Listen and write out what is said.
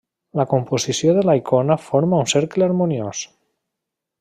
La composició de la icona forma un cercle harmoniós.